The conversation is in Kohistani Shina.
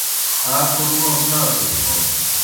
آ کوْم موں تھاسُس بوْ